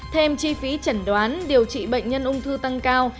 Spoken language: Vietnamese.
thêm chi phí chẩn đoán điều trị bệnh nhân ung thư tăng cao